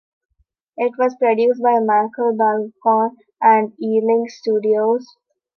It was produced by Michael Balcon and Ealing Studios.